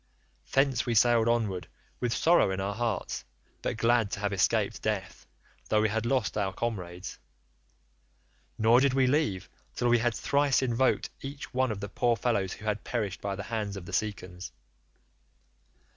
"Thence we sailed onward with sorrow in our hearts, but glad to have escaped death though we had lost our comrades, nor did we leave till we had thrice invoked each one of the poor fellows who had perished by the hands of the Cicons.